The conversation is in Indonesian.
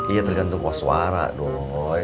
iya tergantung koswara doi